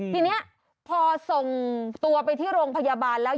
ทีนี้พอส่งตัวไปที่โรงพยาบาลแล้ว